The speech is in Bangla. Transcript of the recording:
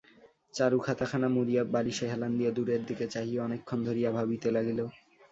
চারু খাতাখানা মুড়িয়া বালিশে হেলান দিয়া দূরের দিকে চাহিয়া অনেকক্ষণ ধরিয়া ভাবিতে লাগিল।